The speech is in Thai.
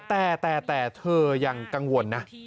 แต่แต่เธอยังกังวลนะ